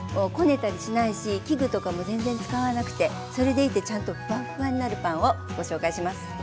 こねたりしないし器具とかも全然使わなくてそれでいてちゃんとフワフワになるパンをご紹介します。